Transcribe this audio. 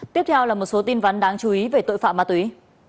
tiếp theo là một số tin ván đáng chú ý về tội phạm ma túy